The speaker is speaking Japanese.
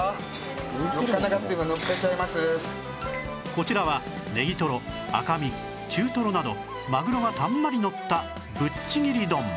こちらはネギトロ赤身中トロなどマグロがたんまりのったぶっちぎり丼